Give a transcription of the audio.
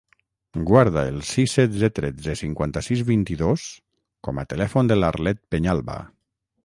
Guarda el sis, setze, tretze, cinquanta-sis, vint-i-dos com a telèfon de l'Arlet Peñalba.